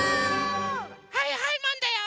はいはいマンだよ！